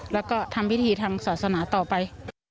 แล้วก็ทำพิธีทางศาสนาต่อไป